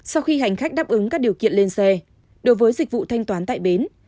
sau khi hành khách đáp ứng các điều kiện lên xe đối với dịch vụ thanh toán tại bến